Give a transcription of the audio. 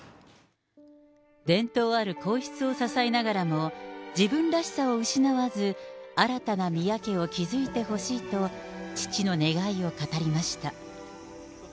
伝統ある皇室を支えながらも、自分らしさを失わず、新たな宮家を築いてほしいと、父の願いを語りました。